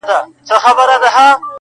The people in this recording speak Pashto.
د شته من سړي د کور څنګ ته دباغ وو -